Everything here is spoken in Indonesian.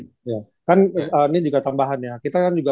ya kan ini juga tambahan ya kita kan juga